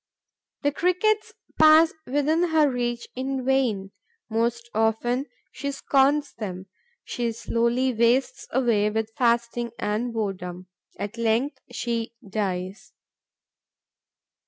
The Crickets pass within her reach in vain; most often she scorns them. She slowly wastes away with fasting and boredom. At length, she dies.